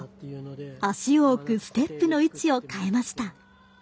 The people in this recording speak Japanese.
足を置くステップの位置を変えました。